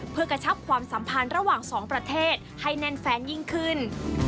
เพื่อกระชับความสัมพันธ์ระหว่างสองประเทศให้แน่นแฟนยิ่งขึ้น